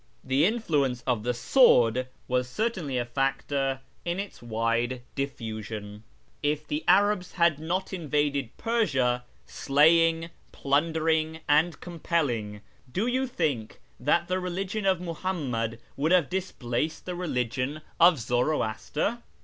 The influence of the sword was certainly a factor in its wide liftusion. If the Arabs had not invaded Persia, slaying, i)lunderiug, and compelling, do you think that the religion of lluhammad would have displaced the religion of Zoroaster